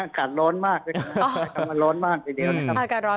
อากาศร้อนมากอ๋ออากาศร้อนมากเดี๋ยวนะครับอากาศร้อนมาก